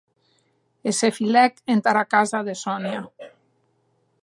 E se filèc entara casa de Sonia.